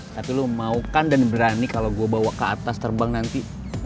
tapi lo maukan dan berani kalau gue bawa ke atas terbang nanti